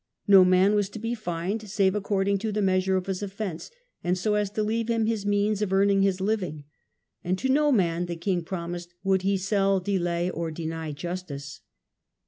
No man was to be fined save according to the measure of his offence, and so as to leave him his means of earning his living. And to no man, the king promised, would he sell, delay, or deny justice.